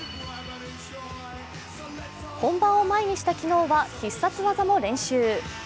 本番を前にした昨日は必殺技も練習。